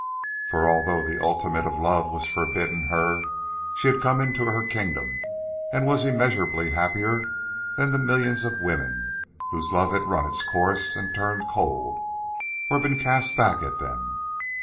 For although the ultimate of love was forbidden her, she had come into her kingdom, and was immeasurably happier than the millions of women whose love had run its course and turned cold, or been cast back at them.